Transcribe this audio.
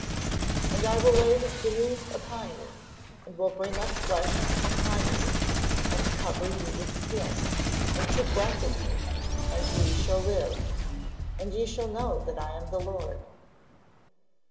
[Verse: "And I will lay the sinews upon you, and will bring up flesh upon you, and cover you with skin, and put breath in you, and ye shall live; and ye shall know that I am the Lord."